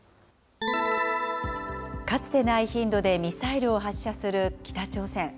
かつてない頻度でミサイルを発射する北朝鮮。